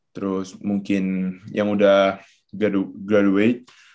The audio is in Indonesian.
terus mungkin yang udah graduate